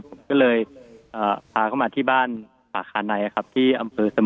ผมก็เลยอ่าพาเข้ามาที่บ้านภาคาในครับที่อำเฟือสมรรย์